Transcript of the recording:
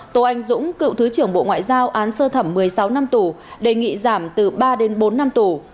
tô anh dũng cựu thứ trưởng bộ ngoại giao án sơ thẩm một mươi sáu năm tù đề nghị giảm từ ba đến bốn năm tù